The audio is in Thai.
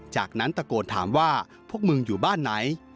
จากนั้นตะโกนถามว่าพวกมึงอยู่บ้านไหน